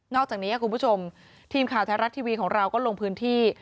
อกจากนี้คุณผู้ชมทีมข่าวไทยรัฐทีวีของเราก็ลงพื้นที่